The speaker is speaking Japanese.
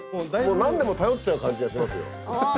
もう何でも頼っちゃう感じがしますよ。